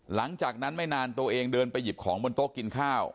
หลังจากนั้นไม่นานตัวเองเดินไปหยิบของบนโต๊ะกินข้าว